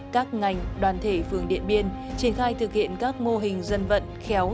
các ngành đoàn thể phường điện biên triển khai thực hiện các mô hình dân vận khéo